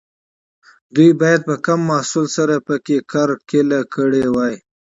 دوی باید په کم محصول سره پکې کرکیله کړې وای.